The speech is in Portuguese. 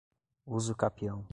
usucapião